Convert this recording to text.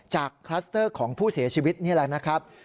จากคลัสเตอร์ของผู้เสียชีวิตนี่แหละ